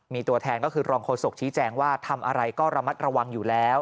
มีตัวแทนก็คือรองโฆษกชี้แจงว่าทำอะไรก็ระมัดระวังอยู่แล้ว